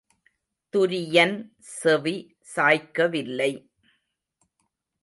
துரியன் செவி சாய்க்கவில்லை.